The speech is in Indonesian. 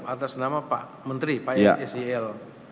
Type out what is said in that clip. atas nama pak menteri pak sel